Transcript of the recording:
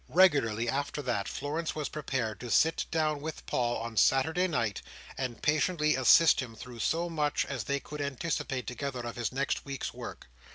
Regularly, after that, Florence was prepared to sit down with Paul on Saturday night, and patiently assist him through so much as they could anticipate together of his next week's work.